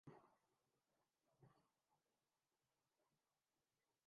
لیکن تیسرے دن ایک فیکٹری کے اندر پولیس نے